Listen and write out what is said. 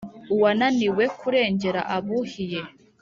uwananiwe kurengera abuhiye,